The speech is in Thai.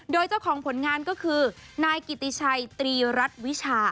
โดยเจ้าของผลงานก็คือนายกิติชัยตรีรัฐวิชา